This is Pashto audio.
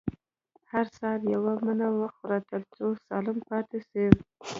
هر سهار يوه مڼه وخورئ، تر څو سالم پاته سئ.